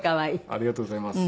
ありがとうございます。